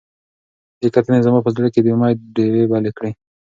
دې کتنې زما په زړه کې د امید ډیوې بلې کړې.